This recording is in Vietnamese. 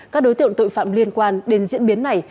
các đối tượng tội phạm liên quan đến diễn biến này